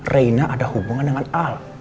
reina ada hubungan dengan al